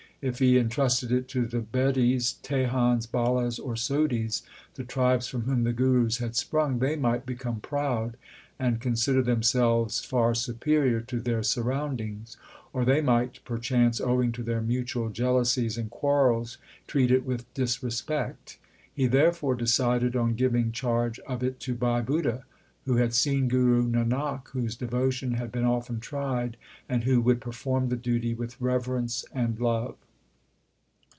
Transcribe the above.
If he entrusted it to the Bedis, Tehans, Bhallas, or Sodhis the tribes from whom the Gurus had sprung they might become proud, and consider themselves far superior to their surroundings ; or they might perchance, owing to their mutual jealousies and quarrels, treat it with disrespect. He therefore decided on giving charge of it to Bhai Budha, who had seen Guru Nanak, whose devotion had been often tried, and who would per form the duty with reverence and love.